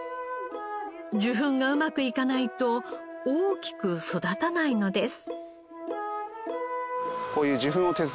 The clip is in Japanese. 受粉がうまくいかないと大きく育たないのです。